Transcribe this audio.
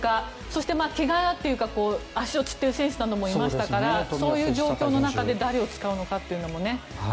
そして、けがというか足をつっている選手もいましたからそういう状況の中で誰を使うのかもね。